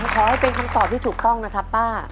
ขอให้เป็นคำตอบที่ถูกต้องนะครับป้า